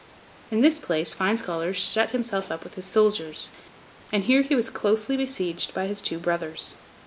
In this place, Fine Scholar shut himself up with his soldiers, and here he was closely besieged by his two brothers.